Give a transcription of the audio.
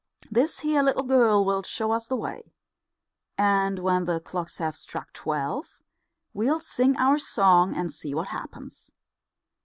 This here little girl will show us the way. And when the clocks have struck twelve we'll sing our song and see what happens."